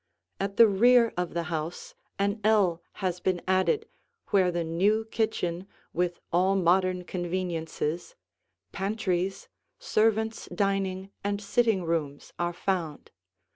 At the rear of the house an ell has been added where the new kitchen with all modern conveniences, pantries, servants' dining and sitting rooms are found.